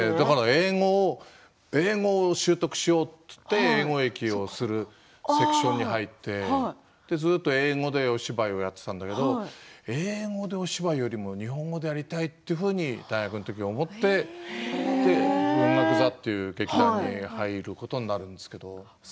だから英語を習得しようといって英語劇をするセクションに入ってそれでずっと英語でお芝居をやっていたんだけど英語でお芝居よりも日本語でやりたいというふうに大学の時に思って文学座という劇団に入ることになるんですけど。